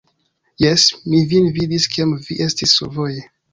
Jes, mi vin vidis kiam vi estis survoje